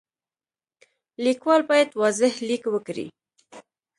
لیکوال باید واضح لیک وکړي.